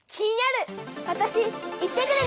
わたし行ってくるね！